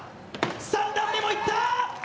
３段目も行った。